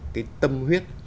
cái tâm huyết